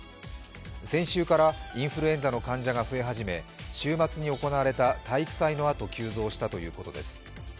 先週からインフルエンザの患者が増え始め週末に行われた体育祭のあと急増したということです。